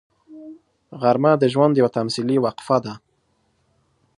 غرمه د ژوند یوه تمثیلي وقفه ده